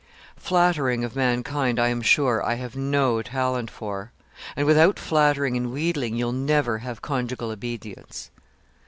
'Flattering of mankind, I am sure, I have no talent for; and without flattering and wheedling you'll never have conjugal obedience.